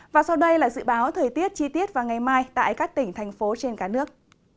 và sau đây là dự báo thời tiết chi tiết vào ngày mai tại các tỉnh thành phố trên cả nước